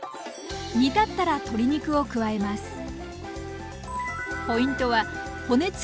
煮立ったら鶏肉を加えます。